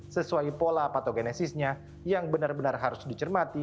sesuai pola patogenesisnya yang benar benar harus dicermati